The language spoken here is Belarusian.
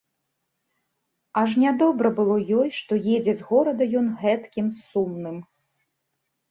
Аж нядобра было ёй, што едзе з горада ён гэткім сумным.